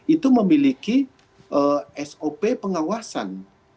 itu memiliki sop pengawasan